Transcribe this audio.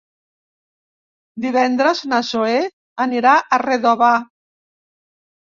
Divendres na Zoè anirà a Redovà.